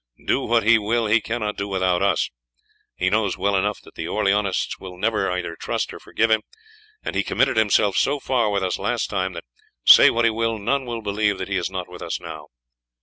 Do what he will, he cannot do without us. He knows well enough that the Orleanists will never either trust or forgive him, and he committed himself so far with us last time that, say what he will, none will believe that he is not with us now.